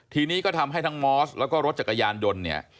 ทีนี้ก็ทำให้ทั้งมอสแล้วก็รถจักรยานยนต์เนี่ย